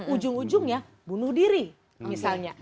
ujung ujungnya bunuh diri misalnya